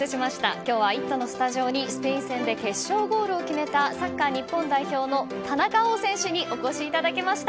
今日は「イット！」のスタジオにスペイン戦で決勝ゴールを決めたサッカー日本代表の田中碧選手にお越しいただきました。